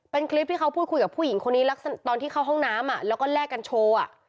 เป็นคลิปที่เขาพูดคุยกับผู้หญิงคนนี้ลักษณะตอนที่เข้าห้องน้ำแล้วก็แลกกันโชว์